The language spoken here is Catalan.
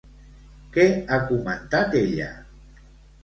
Què ha comentat ella?